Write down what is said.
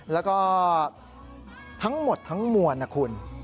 แล้วก็ทั้งหมดทั้งมวลนะคุณ